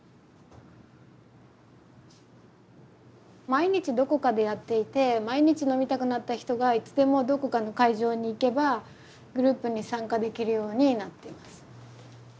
毎日どこかでやっていて毎日飲みたくなった人がいつでもどこかの会場に行けばグループに参加できるようになってます。